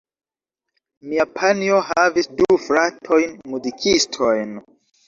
Mia panjo havis du fratojn muzikistojn.